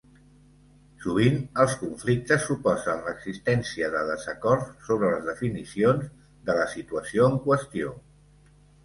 Sovint, els conflictes suposen l'existència de desacords sobre les definicions de la situació en qüestió.